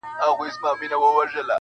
په قهر ورکتلي له لومړۍ ورځي اسمان-